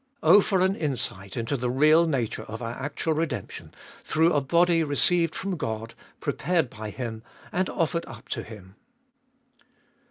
Oh for an insight into the real nature of our actual redemption, through a body received from God, prepared by Him, and offered up to Him.